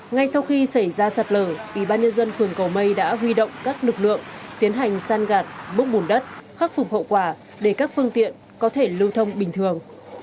ngay sau khi xảy ra sạt lở ubnd phường cầu mây đã huy động các lực lượng tiến hành san gạt bốc bùn đất khắc phục hậu quả để các phương tiện có thể lưu thông bình thường